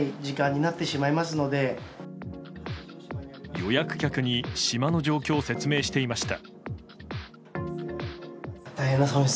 予約客に島の状況を説明していました。